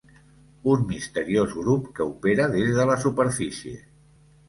Un misteriós grup que opera des de la superfície.